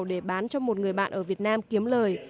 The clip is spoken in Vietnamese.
để bán cho một người bạn ở việt nam kiếm lời